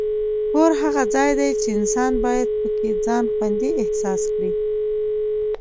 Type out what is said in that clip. کور هغه ځای دی چې انسان باید پکې ځان خوندي احساس کړي.